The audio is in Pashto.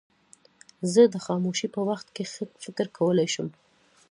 زه د خاموشۍ په وخت کې ښه فکر کولای شم.